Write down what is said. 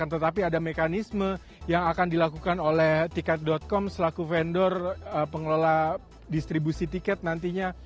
tetapi ada mekanisme yang akan dilakukan oleh tiket com selaku vendor pengelola distribusi tiket nantinya